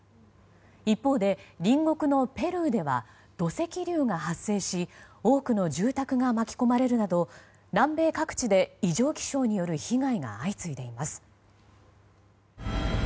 一方で隣国のペルーでは土石流が発生し多くの住宅が巻き込まれるなど南米各地で異常気象による被害が相次いでいます。